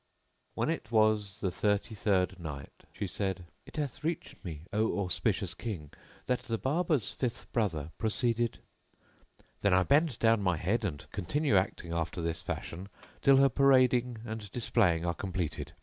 When It was the Thirty third Night, She said, It hath reached me, O auspicious King, that the Barber's fifth brother proceeded:—"Then I bend down my head and continue acting after this fashion till her parading and displaying are completed.